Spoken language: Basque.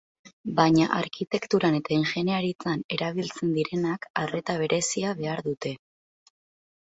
Baina arkitekturan eta ingeniaritzan erabiltzen direnak arreta berezia behar dute.